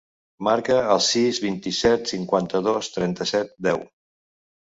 Marca el sis, vint-i-set, cinquanta-dos, trenta-set, deu.